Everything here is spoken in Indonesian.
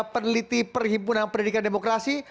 peneliti perhimpunan pendidikan demokrasi